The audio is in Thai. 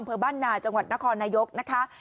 บ้านนาจังหวัดนครนายกนะคะ